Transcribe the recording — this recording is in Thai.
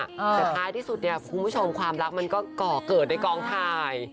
แต่ท้ายที่สุดเนี่ยคุณผู้ชมความรักมันก็ก่อเกิดในกองถ่าย